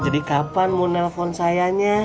jadi kapan mau nelfon sayanya